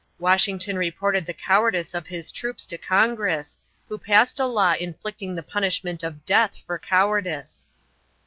Washington reported the cowardice of his troops to Congress, who passed a law inflicting the punishment of death for cowardice.